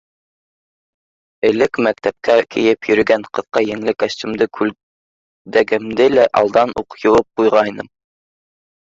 Элек мәктәпкә кейеп йөрөгән ҡыҫҡа еңле костюмды, күлдәгемде лә алдан уҡ йыуып ҡуйғайным.